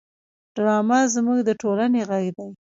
ډرامه زموږ د ټولنې غږ دی